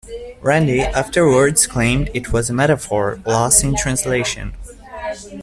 Randi afterwards claimed it was a metaphor lost in translation.